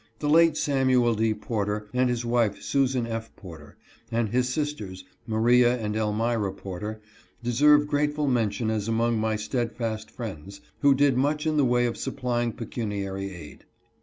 The late Samuel D. Porter and his wife Susan F. Porter, and his sisters, Maria and Elmira Porter, deserve grateful men tion as among my steadfast friends, who did much in the way of supplying pecuniary aid.